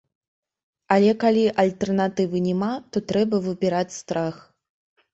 Але калі альтэрнатывы няма, то трэба выбіраць страх.